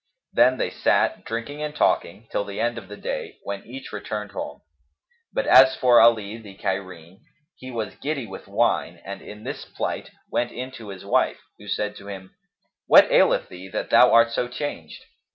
Then they sat, drinking and talking, till the end of the day, when each returned home. But as for Ali, the Cairene, he was giddy with wine and in this plight went in to his wife, who said to him, "What aileth thee that thou art so changed?"